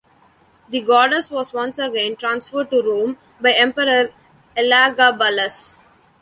The goddess was once again transferred to Rome by emperor Elagabalus.